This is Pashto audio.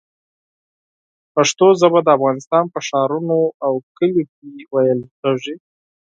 پښتو ژبه د افغانستان په ښارونو او کلیو کې ویل کېږي.